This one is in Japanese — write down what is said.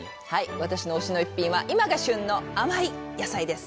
私の「推しのイッピン」は今が旬の甘い野菜です